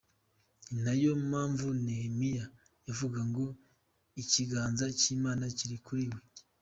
"Ni nayo mpamvu Nehemiya yavugaga ngo ikiganza cy’Imana kiri kuri jye.